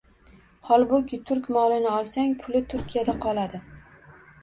Holbuki, turk molini olsang, puli Turkiyada qoladi...